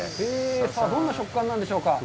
どんな食感なんでしょうか。